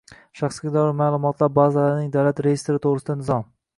Shaxsga doir ma’lumotlar bazalarining davlat reyestri to‘g‘risida nizom.